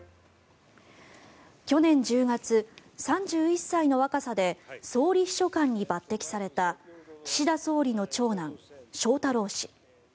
去年１０月、３１歳の若さで総理秘書官に抜てきされた岸田総理の長男・翔太郎氏。